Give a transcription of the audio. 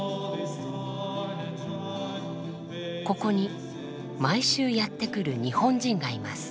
ここに毎週やって来る日本人がいます。